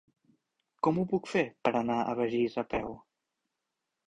Com ho puc fer per anar a Begís a peu?